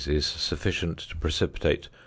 is sufficient to precipitate 0.